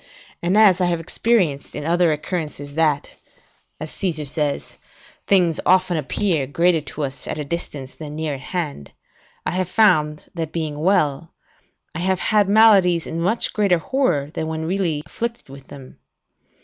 And, as I have experienced in other occurrences, that, as Caesar says, things often appear greater to us at distance than near at hand, I have found, that being well, I have had maladies in much greater horror than when really afflicted with them.